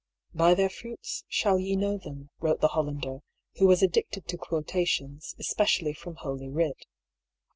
"By their fruits shall ye know them," wrote the Hollander, who was addicted to quotations, especially from Holy Writ.